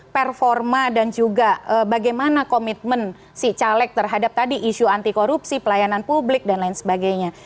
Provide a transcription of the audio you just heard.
performa dan juga bagaimana komitmen si caleg terhadap tadi isu anti korupsi pelayanan publik dan lain sebagainya